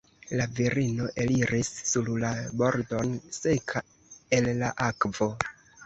La virino eliris sur la bordon seka el la akvo.